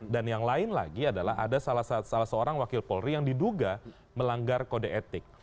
dan yang lain lagi adalah ada salah seorang wakil polri yang diduga melanggar kode etik